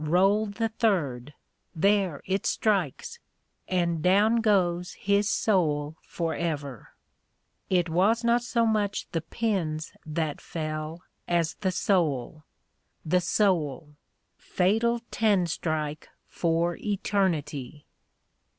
Roll the third there! it strikes! and down goes his soul forever. It was not so much the pins that fell as the soul! the soul! FATAL TEN STRIKE FOR ETERNITY!"